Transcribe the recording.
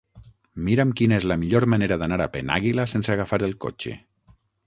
Mira'm quina és la millor manera d'anar a Penàguila sense agafar el cotxe.